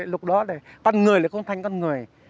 lúc đó là con người là con thanh con người